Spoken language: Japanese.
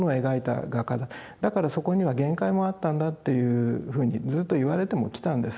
だからそこには限界もあったんだっていうふうにずっと言われてもきたんです。